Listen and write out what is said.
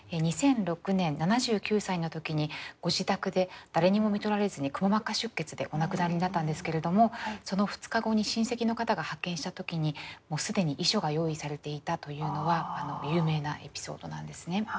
２００６年７９歳の時にご自宅で誰にもみとられずにくも膜下出血でお亡くなりになったんですけれどもその２日後に親戚の方が発見した時に既に遺書が用意されていたというのは有名なエピソードなんですね。